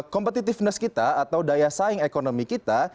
competitiveness kita atau daya saing ekonomi kita